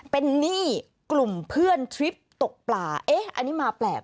เป็นหนี้กลุ่มเพื่อนทริปตกปลาเอ๊ะอันนี้มาแปลก